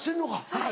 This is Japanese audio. はい。